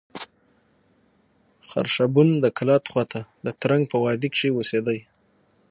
خرښبون د کلات خوا ته د ترنک په وادي کښي اوسېدئ.